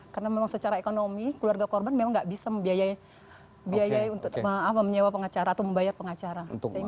karena memang secara ekonomi keluarga korban memang tidak bisa membiayai untuk menyewa pengacara atau membayar pengacara